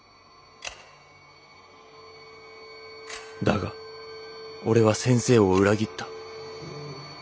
「だが俺は先生を裏切った。